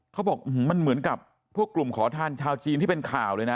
เขาบอกมันเหมือนกับพวกกลุ่มขอทานชาวจีนที่เป็นข่าวเลยนะ